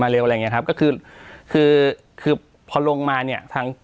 เร็วอะไรอย่างเงี้ครับก็คือคือพอลงมาเนี่ยทาง